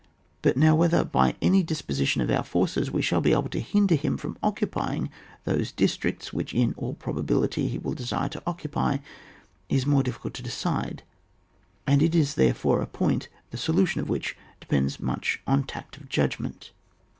But now whether hy any disposition of our jorces ue shall be able to hinder him from occupying those districts which in all probability he will desire to occupy, is more difficult to decide, and it is there fore a point, the solution of which depends much on tact of judgment.